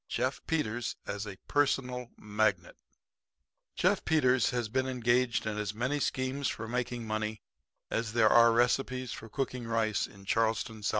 JEFF PETERS AS A PERSONAL MAGNET Jeff Peters has been engaged in as many schemes for making money as there are recipes for cooking rice in Charleston, S.C.